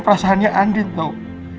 perasaannya andi tau